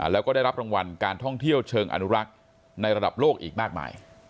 แล้วก็ได้รับรางวัลการท่องเที่ยวเชิงอนุรักษ์ในระดับโลกอีกมากมาย